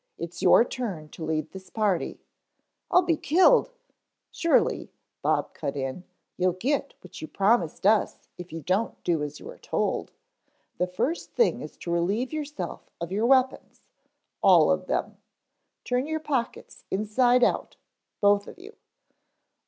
"It's your turn to lead this party " "I'll be killed " "Surely," Bob cut in. "You'll get what you promised us if you don't do as you are told. The first thing is to relieve yourself of your weapons, all of them. Turn your pockets inside out, both of you."